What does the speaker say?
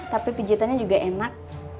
tapi pijitannya juga enak